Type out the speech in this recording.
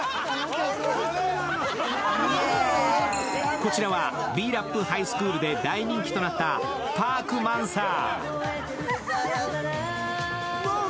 こちらはＢ−ＲＡＰハイスクールで大人気となったパークマンサー。